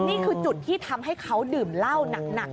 นี่คือจุดที่ทำให้เขาดื่มเหล้าหนัก